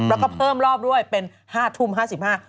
แล้วก็เพิ่มรอบด้วยเป็น๕ทุ่ม๕๕ธันวาคม